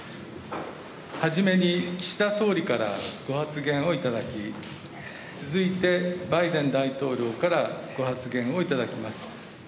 初めに岸田総理からご発言をいただき、続いてバイデン大統領からご発言をいただきます。